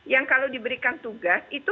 yang kalau diberikan tugas itu